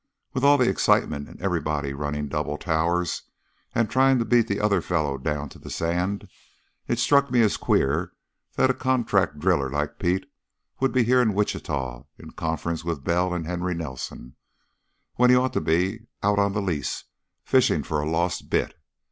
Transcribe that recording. With all the excitement and everybody running double 'towers' and trying to beat the other fellow down to the sand, it struck me as queer that a contract driller like Pete would be here in Wichita in conference with Bell and Henry Nelson, when he ought to be out on the lease fishing for a lost bit.